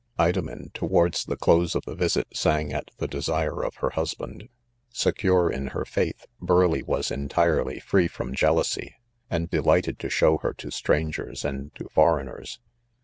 Idomen, towards the close of the visit, sang at the desire of her husband. Secure in her faith, Burleigh was entirely free from jealousy, and delighted to show her to strangers and to foreigners.